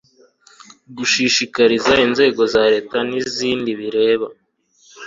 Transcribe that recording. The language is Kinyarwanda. gushishikariza inzego za leta n'izindi bireba